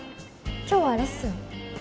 今日はレッスン？